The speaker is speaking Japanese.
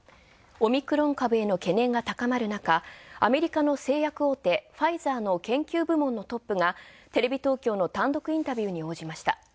オミクロン株への懸念が高まるなかアメリカの製薬大手ファイザーの研究部門のトップがテレビ東京の単独インタビューに応じました。